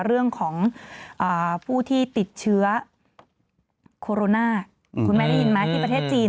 เรื่องของผู้ที่ติดเชื้อโคโรนาคุณแม่ได้ยินไหมที่ประเทศจีน